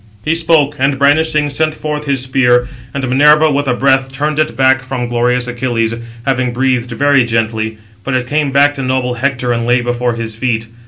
He spoke, and, brandishing, sent forth his spear; and Minerva with a breath turned it back from glorious Achilles, having breathed very gently; but it came back to noble Hector, and lay before his feet.